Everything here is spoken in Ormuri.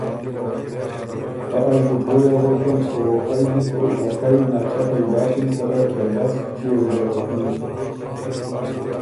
خه از بُو پوی اغوکم او ائ دی بو افئ ناچپئ داکِن سره که بس چیو ویزره تی۔